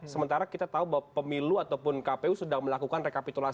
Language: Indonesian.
sementara kita tahu bahwa pemilu ataupun kpu sedang melakukan rekapitulasi